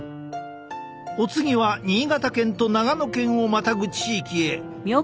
お次は新潟県と長野県をまたぐ地域へ。